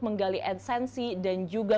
menggali esensi dan juga